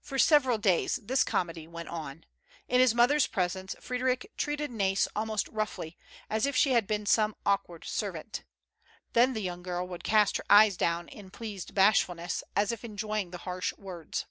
For several days tliis comedy went on. In his moth er's presence Frederic treated Na'is almost roughly, as if she had been some awkward servant. Then the young girl would cast her eyes down in pleased bash fulness, as if enjoying the harsh words.